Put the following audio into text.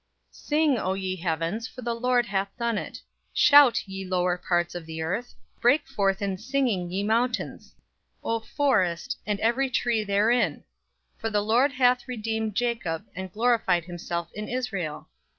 'Sing, O ye heavens; for the Lord hath done it; shout, ye lower parts of the earth; break forth in singing, ye mountains, O forest, and every tree therein; for the Lord hath redeemed Jacob, and glorified himself in Israel.'